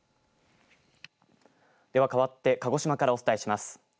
ではかわって鹿児島からお伝えします。